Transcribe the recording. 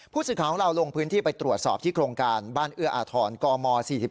ผู้สื่อข่าวของเราลงพื้นที่ไปตรวจสอบที่โครงการบ้านเอื้ออาทรกม๔๔